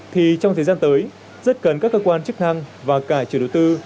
thì trong thời gian tới rất cần các cơ quan chức năng và cả chủ đối tư